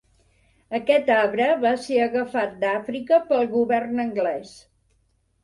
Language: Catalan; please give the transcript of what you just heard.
Aquest arbre va ser agafat d'Àfrica pel govern anglès.